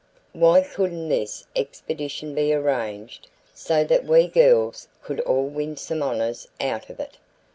"Why couldn't this expedition be arranged so that we girls could all win some honors out of it?"